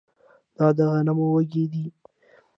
دا د غنم وږی دی